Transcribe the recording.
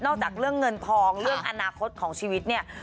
จากเรื่องเงินทองเรื่องอนาคตของชีวิตเนี่ย